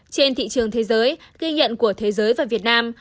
trên thị trường thế giới ghi nhận của thế giới và việt nam